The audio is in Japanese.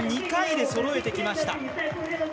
２回でそろえてきました。